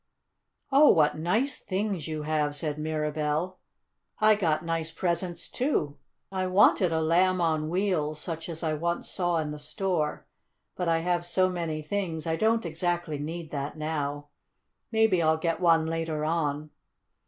"Oh, what nice things you have!" said Mirabell. "I got nice presents, too. I wanted a Lamb on Wheels, such as I once saw in the store, but I have so many things I don't exactly need that now. Maybe I'll get one later on."